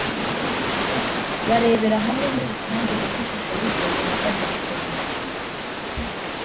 Barebera hamwe muri rusange uko ishusho y’uburezi ihagaze mu Rwanda